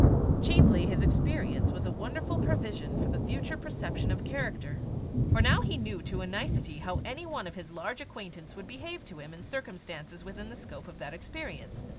Chiefly, his experience was a wonderful provision for the future perception of character; for now he knew to a nicety how any one of his large acquaintance would behave to him in circumstances within the scope of that experience.